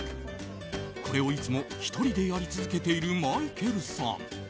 これをいつも１人でやり続けているマイケルさん。